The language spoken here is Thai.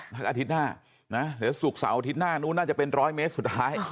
อาทิตย์หน้านะเดี๋ยวศุกร์เสาร์อาทิตย์หน้านู้นน่าจะเป็นร้อยเมตรสุดท้าย